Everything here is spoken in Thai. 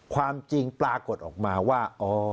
ความจริงปรากฏออกมาว่า